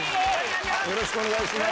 よろしくお願いします。